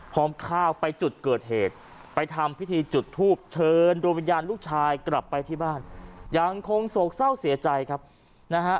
ทำพิธีจุดทูปเชิญดวงวิญญาณลูกชายกลับไปที่บ้านอย่างคงโศกเศร้าเสียใจครับนะฮะ